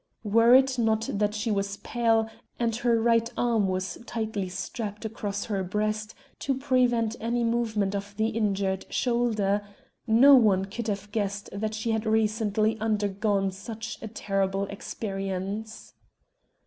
Were it not that she was pale, and her right arm was tightly strapped across her breast to prevent any movement of the injured shoulder, no one could have guessed that she had recently undergone such a terrible experience.